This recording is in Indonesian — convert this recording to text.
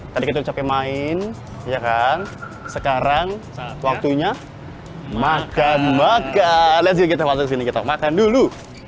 tadi kita capek main sekarang waktunya makan makan let s get it kita masuk disini kita makan dulu